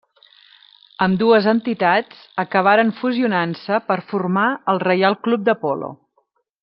Ambdues entitats acabaren fusionant-se per formar el Reial Club de Polo.